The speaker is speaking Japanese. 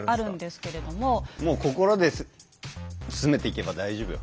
もう心で詰めていけば大丈夫よ。